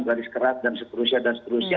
garis keras dan seterusnya dan seterusnya